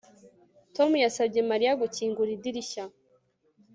Tom yasabye Mariya gukingura idirishya